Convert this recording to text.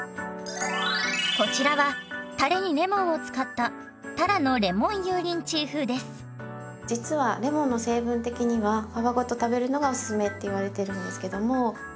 こちらはたれにレモンを使った実はレモンの成分的には皮ごと食べるのがおすすめって言われてるんですけども。